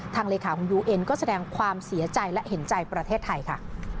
ทางเลขาธิการยูเอ็นด้วยก็แสดงความเสียใจและเห็นใจประเทศไทยค่ะ